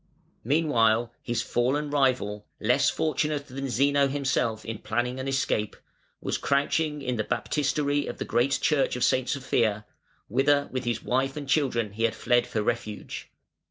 ] Meanwhile his fallen rival, less fortunate than Zeno himself in planning an escape, was crouching in the baptistery of the great Church of Saint Sophia, whither with his wife and children he had fled for refuge.